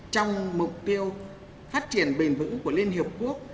trong mục tiêu phát triển bền vững của liên hiệp quốc